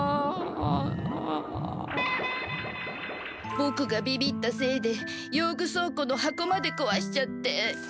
ボクがビビったせいで用具倉庫の箱までこわしちゃって。